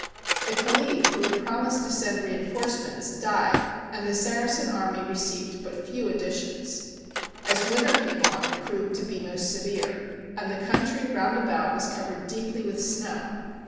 The Caliph, who had promised to send reinforcements, died, and the Saracen army received but few additions. As winter came on, it proved to be most severe, and the coun try round about was covered deeply with snow.